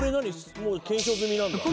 もう検証済みなんだ。